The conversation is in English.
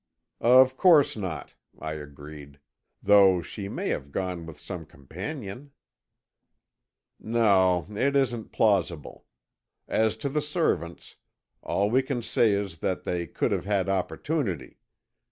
"Of course not," I agreed. "Though she may have gone with some companion." "No, it isn't plausible. As to the servants, all we can say is that they could have had opportunity.